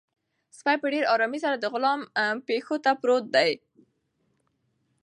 سپی په ډېر ارامۍ سره د غلام پښو ته پروت دی.